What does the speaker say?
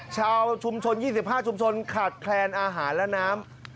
ชาวชุมชน๒๕ชุมชนขาดแคลนอาหารและน้ำ